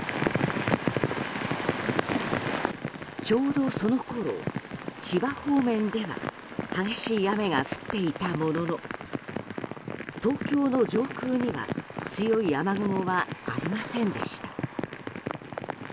ちょうどそのころ千葉方面では激しい雨が降っていたものの東京の上空には強い雨雲はありませんでした。